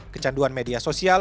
kecanduan media sosial